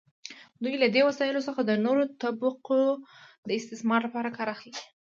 دوی له دې وسایلو څخه د نورو طبقو د استثمار لپاره کار اخلي.